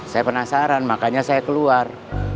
saya penasaran makanya saya keluar